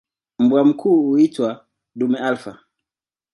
Mbwa mkuu huitwa "dume alfa".